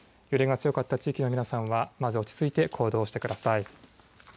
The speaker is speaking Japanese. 揺れが強かった地域の皆さんはまず落ち着いて行動してください。